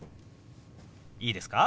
いいですか？